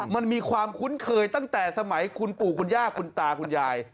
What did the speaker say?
มันมีความคุ้นเคยตั้งแต่สมัยคุณปู่คุณย่าคุณตาคุณยาย